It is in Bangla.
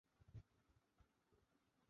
এটির রাজধানী শহরের নাম হচ্ছে মিরপুর খাস।